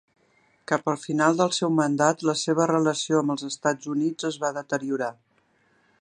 Cap al final del seu mandat, la seva relació amb els Estats Units es va deteriorar.